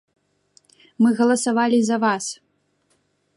Мы галасавалі за вас!